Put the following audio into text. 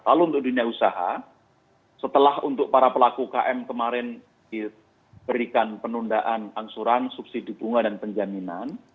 lalu untuk dunia usaha setelah untuk para pelaku ukm kemarin diberikan penundaan angsuran subsidi bunga dan penjaminan